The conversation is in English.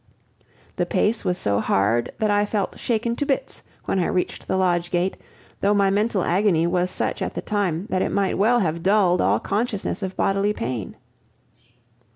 The pace was so hard that I felt shaken to bits when I reached the lodge gate, though my mental agony was such at the time that it might well have dulled all consciousness of bodily pain.